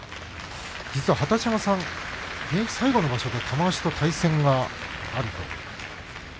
実は二十山さん現役最後の場所で玉鷲と対戦があると。